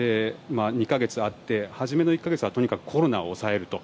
２か月あって、初めの１か月はとにかくコロナを抑えると。